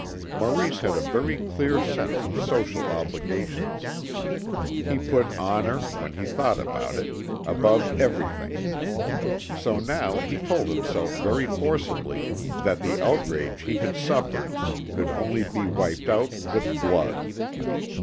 Maurice had a very clear sense of social obligations. He put honour, when he thought about it, above everything. So now he told himself very forcibly that the outrage he had suffered could only be wiped out with blood.